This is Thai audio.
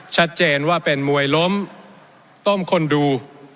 ชัดเจนว่าเป็นมวยล้มต้มคนดู